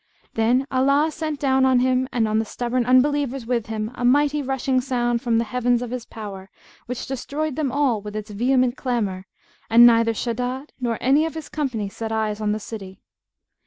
Then Allah sent down on him and on the stubborn unbelievers with him a mighty rushing sound from the Heavens of His power, which destroyed them all with its vehement clamour, and neither Shaddad nor any of his company set eyes on the city.